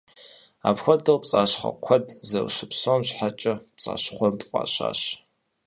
Апхуэдэу пцӏащхъуэ куэд зэрыщыпсэум щхьэкӏэ «Пцӏащхъуэмб» фӏащащ.